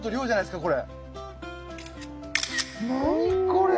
何これ！